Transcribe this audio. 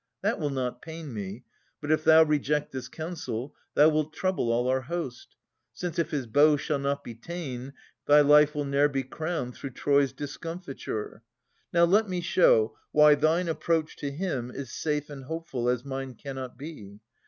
That will not pain me : but if thou reject This counsel, thou wilt trouble all our host. Since, if his bow shall not be ta'en, thy life Will ne'er be crowned through Troy's discomiiture. Now let me show, why thine approach to him Is safe and hopeful as mine cannot be.